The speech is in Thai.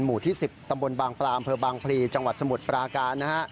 หมู่ที่๑๐ตำบลบางปลาอำเภอบางพลีจังหวัดสมุทรปราการนะฮะ